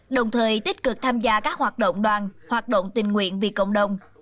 đồng thời tích cực tham gia các hoạt động đoàn hoạt động tình nguyện vì cộng đồng